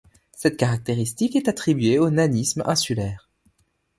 Cette caractéristique est attribuée au nanisme insulaire.